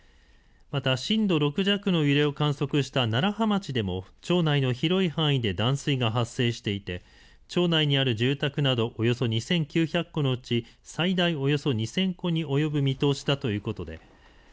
また震度６弱の揺れを観測した楢葉町でも町内の広い範囲で断水が発生していて町内にある住宅などおよそ２９００戸のうち最大およそ２０００戸に及ぶ見通しだということです。